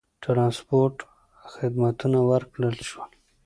ترانسپورت خدمتونه ورکړل شول.